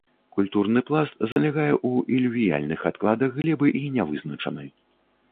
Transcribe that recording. Культурны пласт залягае ў ілювіяльных адкладах глебы і нявызначаны.